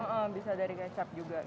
iya bisa dari kecap juga gitu